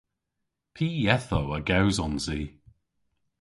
Py yethow a gewsons i?